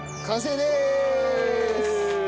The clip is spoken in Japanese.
完成でーす！